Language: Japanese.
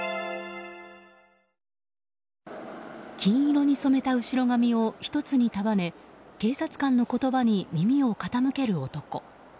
金色に染めた後ろ髪を１つに束ね警察官の言葉に耳を傾ける男。